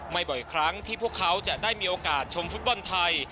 บ่อยครั้งที่พวกเขาจะได้มีโอกาสชมฟุตบอลไทย